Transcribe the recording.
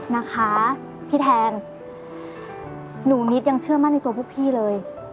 นะคะพี่แทนหนูนิดยังเชื่อมั่นในตัวพวกพี่เลย